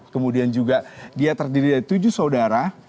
kemudian juga dia terdiri dari tujuh saudara